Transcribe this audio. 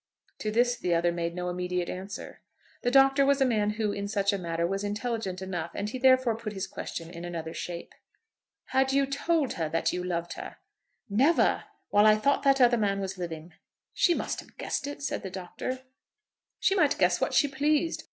To this the other made no immediate answer. The Doctor was a man who, in such a matter, was intelligent enough, and he therefore put his question in another shape. "Had you told her that you loved her?" "Never, while I thought that other man was living." "She must have guessed it," said the Doctor. "She might guess what she pleased.